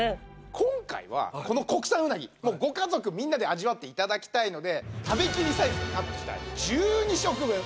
今回はこの国産うなぎご家族みんなで味わって頂きたいので食べ切りサイズにカットしてある１２食分。